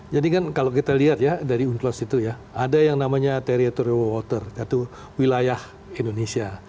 jadi kan kalau kita lihat ya dari unklos itu ya ada yang namanya teritorial water yaitu wilayah indonesia